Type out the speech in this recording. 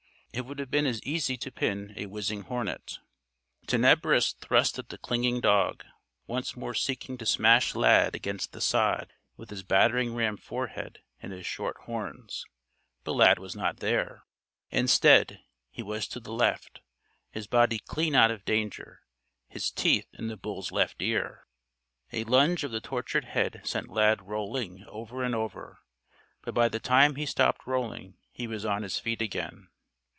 It would have been as easy to pin a whizzing hornet. Tenebris thrust at the clinging dog, once more seeking to smash Lad against the sod with his battering ram forehead and his short horns. But Lad was not there. Instead, he was to the left, his body clean out of danger, his teeth in the bull's left ear. A lunge of the tortured head sent Lad rolling over and over. But by the time he stopped rolling he was on his feet again.